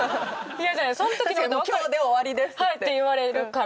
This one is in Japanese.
「今日で終わりです」って。って言われるから。